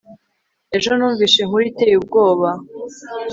ejo numvise inkuru iteye ubwoba